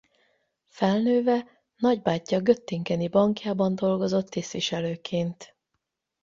Felnőve nagybátyja göttingeni bankjában dolgozott tisztviselőként.